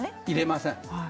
入れません。